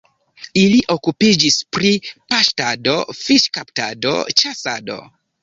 Ili okupiĝis pri paŝtado, fiŝkaptado, ĉasado.